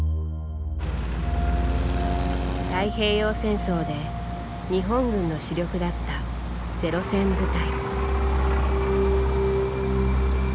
太平洋戦争で日本軍の主力だったゼロ戦部隊。